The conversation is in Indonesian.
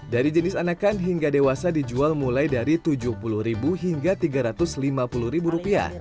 dari jenis anakan hingga dewasa dijual mulai dari rp tujuh puluh hingga rp tiga ratus lima puluh